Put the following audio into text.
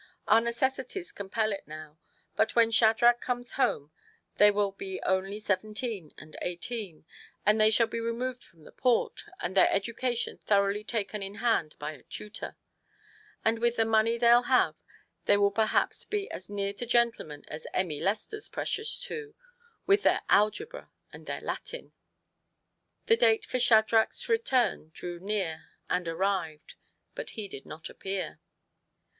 " Our necessities compel it now, but when Shadrach comes home they will be only seventeen and eighteen, and TO PLEASE HIS WIFE. 125 they shall be removed from the port, and their education thoroughly taken in hand by a tutor; and with the money they'll have they will per haps be as near to gentlemen as Emmy Lester's precious two, with their algebra and their Latin.'* The date for Shadrach's return drew near and arrived, and he did not appear.